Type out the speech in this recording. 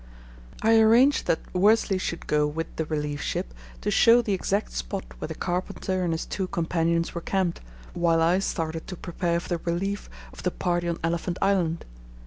I arranged that Worsley should go with the relief ship to show the exact spot where the carpenter and his two companions were camped, while I started to prepare for the relief of the party on Elephant Island.